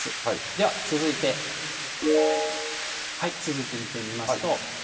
では続いて、続いて見てみますと。